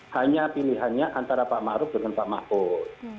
hanya pilihannya antara pak ma'ruf dengan pak ma'ruf